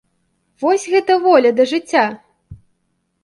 Вось гэта воля да жыцця!